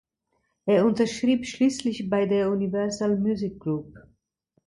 Er unterschrieb schließlich bei der Universal Music Group.